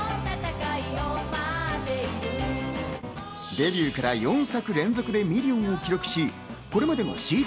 デビューから４作連続でミリオンを記録し、これまでＣＤ